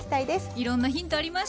いろんなヒントありました。